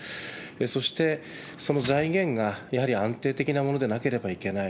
そして、その財源がやはり安定的なものでなければいけない。